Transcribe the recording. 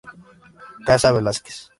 Casa Velázquez.